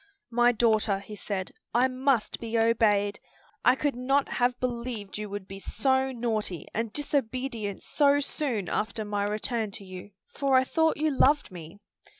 "My daughter," he said, "I must be obeyed. I could not have believed you would be so naughty and disobedient so soon after my return to you, for I thought you loved me."